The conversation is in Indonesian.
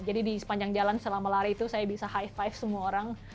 jadi di sepanjang jalan selama lari itu saya bisa high five semua orang